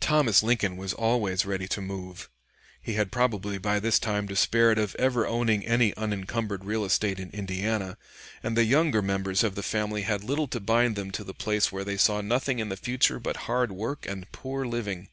Thomas Lincoln was always ready to move. He had probably by this time despaired of ever owning any unencumbered real estate in Indiana, and the younger members of the family had little to bind them to the place where they saw nothing in the future but hard work and poor living.